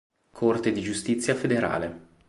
Corte di giustizia federale